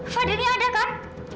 fadilnya ada kan